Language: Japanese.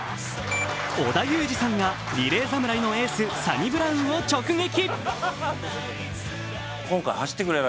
織田裕二さんがリレー侍のエース、サニブラウンを直撃。